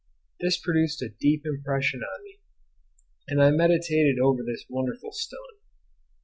This produced a deep impression on me, and I meditated over this wonderful stone.